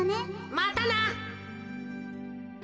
またな。